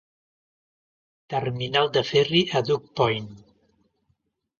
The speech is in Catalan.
Terminal de ferri a Duke Point.